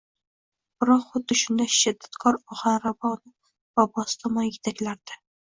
biroq xuddi shunday shiddatkor ohanrabo uni bobosi tomon yetaklardi.